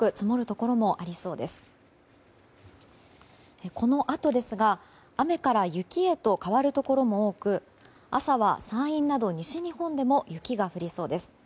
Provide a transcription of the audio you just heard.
このあとですが、雨から雪へと変わるところも多く朝は山陰など西日本でも雪が降りそうです。